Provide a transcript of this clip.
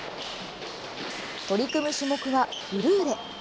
取り組む種目はフルーレ。